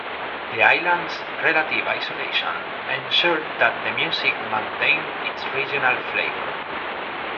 The island's relative isolation ensured that the music maintained its regional flavor.